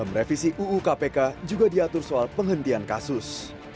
dan revisi uu kpk juga diatur soal penghentian kasus